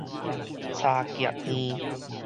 柴屐耳